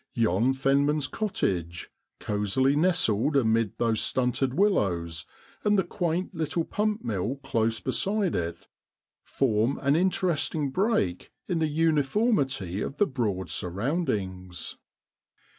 Yon fenman's cottage, cosily nestled amid those stunted willows, and the quaint little pump mill close beside it, form an interesting break in the uniformity of the Broad's surround ings.